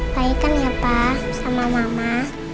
baikkan ya pak sama mama